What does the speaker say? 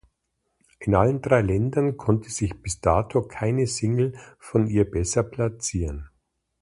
In allen drei Ländern konnte sich bis dato keine Single von ihr besser platzieren.